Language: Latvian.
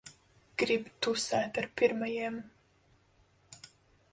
Grib tusēt ar pirmajiem.